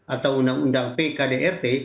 atau undang undang pkdrt